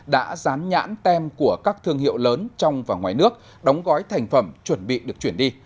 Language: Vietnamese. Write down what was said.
đã rán nhãn tem của các thương hiệu lớn trong và ngoài nước đóng gói thành phẩm chuẩn bị được chuyển đi